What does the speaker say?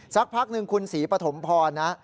สักพักหนึ่งคุณศรีปฐมพรนะ